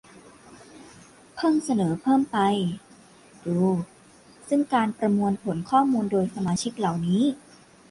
เพิ่งเสนอเพิ่มไป ดู ซึ่งการประมวลผลข้อมูลโดยสมาชิกเหล่านี้